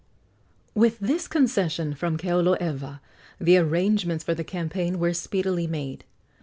With this concession from Keoloewa the arrangements for the campaign were speedily made.